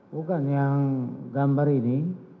bukan yang gambar ini